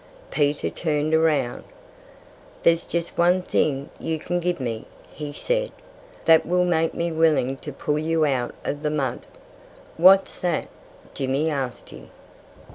Peter turned around. "There's just one thing you can give me," he said, "that will make me willing to pull you out of the mud." "What's that?" Jimmy asked him.